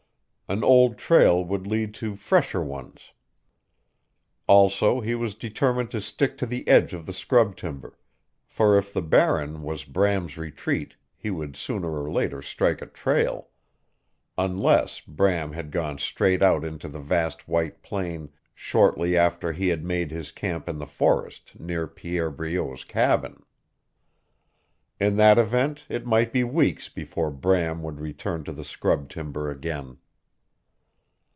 An old trail would lead to fresher ones. Also he was determined to stick to the edge of the scrub timber, for if the Barren was Bram's retreat he would sooner or later strike a trail unless Bram had gone straight out into the vast white plain shortly after he had made his camp in the forest near Pierre Breault's cabin. In that event it might be weeks before Bram would return to the scrub timber again.